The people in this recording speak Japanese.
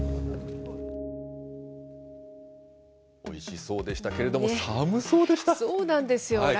おいしそうでしたけれども、そうなんですよ。